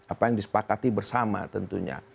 apa yang disepakati bersama tentunya